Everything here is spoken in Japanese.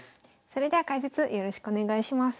それでは解説よろしくお願いします。